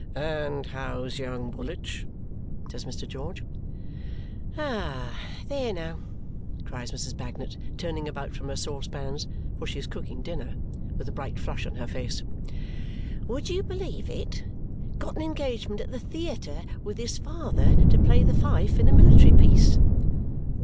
"And how's young Woolwich?" says Mr. George. "Ah! There now!" cries Mrs. Bagnet, turning about from her saucepans (for she is cooking dinner) with a bright flush on her face. "Would you believe it? Got an engagement at the theayter, with his father, to play the fife in a military piece."